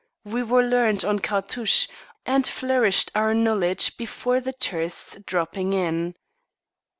We were learned on cartouches, and flourished our knowledge before the tourists dropping in.